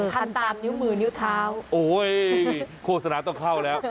ทำตามนิ้วมือนิ้วเท้าโอ้ยโฆษณาต้องเข้าแล้ว